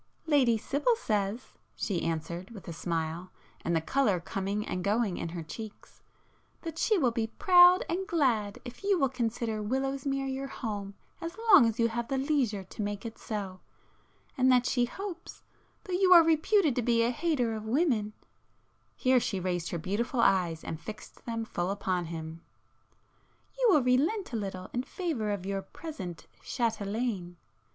"Lady Sibyl says," she answered with a smile, and the colour coming and going in her cheeks—"that she will be proud and glad if you will consider Willowsmere your home as long as you have leisure to make it so,—and that she hopes,—though you are reputed to be a hater of women,—" here she raised her beautiful eyes and fixed them full upon him—"you will relent a little in favour of your present châtelaine!"